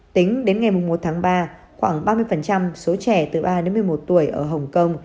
tính đến ngày một tháng ba khoảng ba mươi số trẻ từ ba đến một mươi một tuổi ở hồng kông